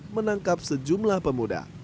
menangkap sejumlah pemuda